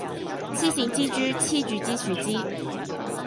癡線蜘蛛痴住支樹枝